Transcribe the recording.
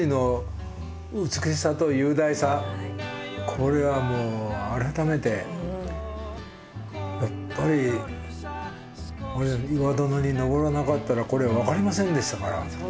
これはもう改めてやっぱり岩殿に登らなかったらこれ分かりませんでしたから。